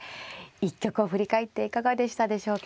一局を振り返っていかがでしたでしょうか。